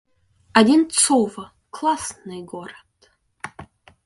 Одинцово — классный город